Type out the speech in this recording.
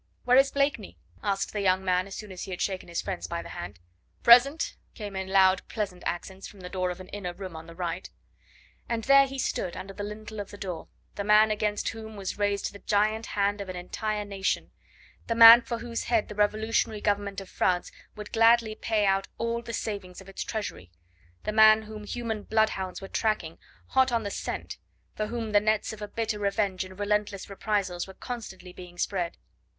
"Where is Blakeney?" asked the young man as soon as he had shaken his friends by the hand. "Present!" came in loud, pleasant accents from the door of an inner room on the right. And there he stood under the lintel of the door, the man against whom was raised the giant hand of an entire nation the man for whose head the revolutionary government of France would gladly pay out all the savings of its Treasury the man whom human bloodhounds were tracking, hot on the scent for whom the nets of a bitter revenge and relentless reprisals were constantly being spread.